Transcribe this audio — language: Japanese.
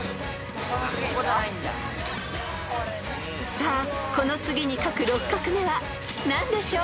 ［さあこの次に書く６画目は何でしょう］